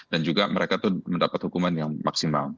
dan juga mereka itu mendapat hukuman yang maksimal